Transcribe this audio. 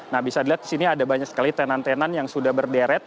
nah bisa dilihat di sini ada banyak sekali tenan tenan yang sudah berderet